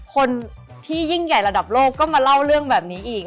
คนที่ยิ่งใหญ่ระดับโลกก็มาเล่าเรื่องแบบนี้อีก